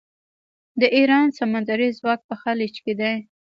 د ایران سمندري ځواک په خلیج کې دی.